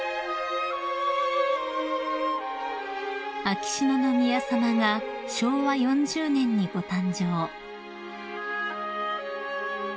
［秋篠宮さまが昭和４０年にご誕生］